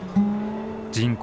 人口